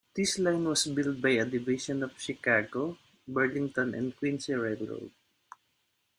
This line was built by a division of the Chicago, Burlington and Quincy Railroad.